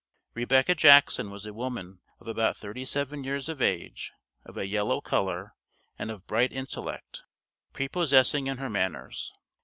Rebecca Jackson was a woman of about thirty seven years of age, of a yellow color, and of bright intellect, prepossessing in her manners.